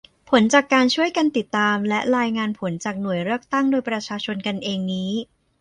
ผลจากการช่วยกันติดตามและรายงานผลจากหน่วยเลือกตั้งโดยประชาชนกันเองนี้